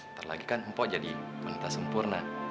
ntar lagi kan empok jadi wanita sempurna